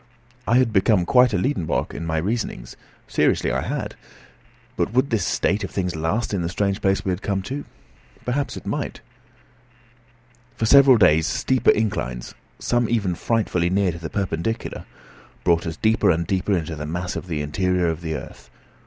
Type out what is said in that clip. I had become quite a Liedenbrock in my reasonings; seriously I had. But would this state of things last in the strange place we had come to? Perhaps it might. For several days steeper inclines, some even frightfully near to the perpendicular, brought us deeper and deeper into the mass of the interior of the earth.